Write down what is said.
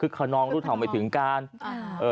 คุณธิชานุลภูริทัพธนกุลอายุ๓๔